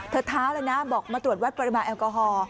ท้าเลยนะบอกมาตรวจวัดปริมาณแอลกอฮอล์